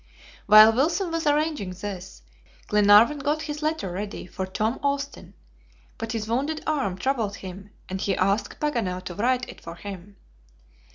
While Wilson was arranging this, Glenarvan got his letter ready for Tom Austin, but his wounded arm troubled him, and he asked Paganel to write it for him.